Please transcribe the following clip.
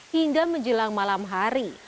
hingga menjelang malam hari